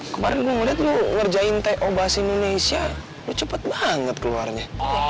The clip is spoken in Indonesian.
kemarin gue ngeliat lo ngerjain teo bahasa indonesia lo cepet banget keluarnya